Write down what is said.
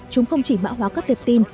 chúng không chỉ mã hóa các tiệp tin